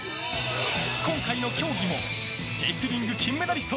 今回の競技もレスリング金メダリスト